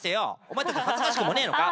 お前たち恥ずかしくもねえのか？